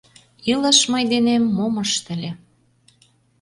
Илыш мый денем мом ыштыле?